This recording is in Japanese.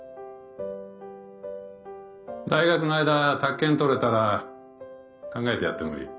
大学の間宅建取れたら考えてやってもいい。